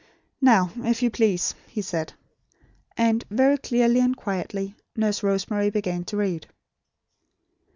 "Now, if you please," he said. And, very clearly and quietly, Nurse Rosemary began to read.